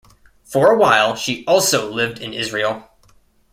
For a while, she also lived in Israel.